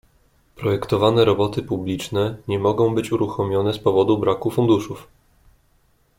"Projektowane roboty publiczne nie mogą być uruchomione z powodu braku funduszów."